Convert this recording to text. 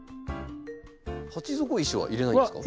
鉢底石は入れないんですか？